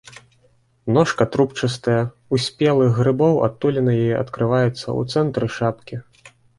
Ножка трубчастая, у спелых грыбоў адтуліна яе адкрываецца ў цэнтры шапкі.